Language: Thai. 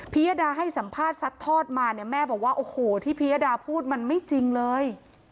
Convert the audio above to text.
ยดาให้สัมภาษณ์ซัดทอดมาเนี่ยแม่บอกว่าโอ้โหที่พิยดาพูดมันไม่จริงเลย